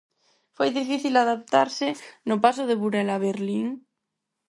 Foi difícil adaptarse no paso de Burela a Berlín?